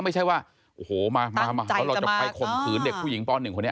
ไม่ใช่ว่าโอ้โหมาหาแล้วเราจะไปข่มขืนเด็กผู้หญิงป๑คนนี้